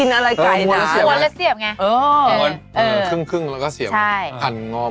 เนอะไม่รู้ไม่ออกแล้วว่าจะเสียบยังไง